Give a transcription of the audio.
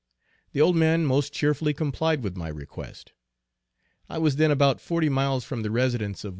The old man most cheerfully complied with my request. I was then about forty miles from the residence of Wm.